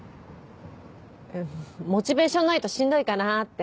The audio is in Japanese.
モチベーションないとしんどいかなって。